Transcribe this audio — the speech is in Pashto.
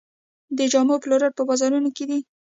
د جامو پلورنځي په بازارونو کې دي